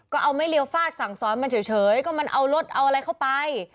ก็เอาไม่เรียวฟาดสั่งสอนมันเฉยก็มันเอารถเอาอะไรเข้าไป